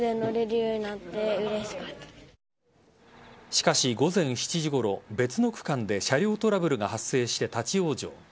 しかし、午前７時ごろ別の区間で車両トラブルが発生して立ち往生。